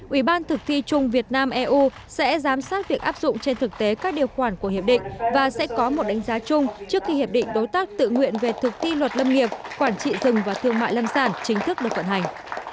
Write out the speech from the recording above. ủy ban thực thi chung việt nam eu sẽ giám sát việc áp dụng trên thực tế các điều khoản của hiệp định và sẽ có một đánh giá chung trước khi hiệp định đối tác tự nguyện về thực thi luật lâm nghiệp quản trị rừng và thương mại lâm sản chính thức được vận hành